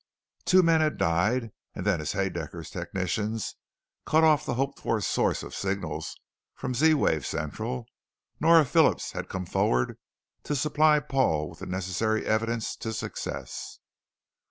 Two men had died, and then as Haedaecker's technicians cut off the hoped for sources of signals from Z wave Central, Nora Phillips had come forward to supply Paul with the necessary evidence to success.